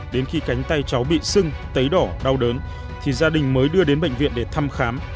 đến khi cánh tay cháu bị sưng tấy đỏ đau đớn thì gia đình mới đưa đến bệnh viện để thăm khám